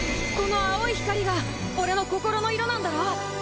この青い光が俺の心の色なんだろ？